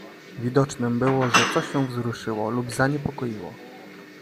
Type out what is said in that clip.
"Widocznem było, że coś ją wzruszyło, lub zaniepokoiło."